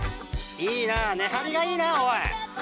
いいな根張りがいいなおい！